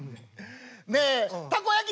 ねえたこ焼き